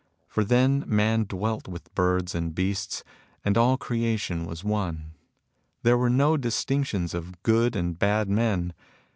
For then man dwelt with birds and beasts, and all creation was one. There were no dis tinctions of good and bad men.